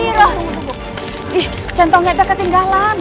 ih centangnya kita ketinggalan